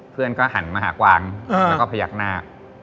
เพื่อนก็หันมาหากวางแล้วก็พยักหน้า